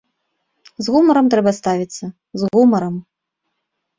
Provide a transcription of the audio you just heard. З гумарам трэба ставіцца, з гумарам!